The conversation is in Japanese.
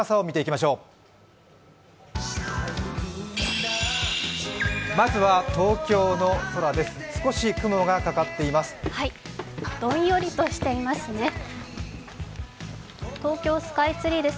まずは東京の空です